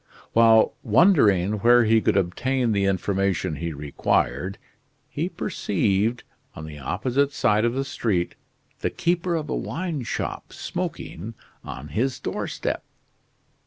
While wondering where he could obtain the information he required, he perceived, on the opposite side of the street, the keeper of a wine shop smoking on his doorstep.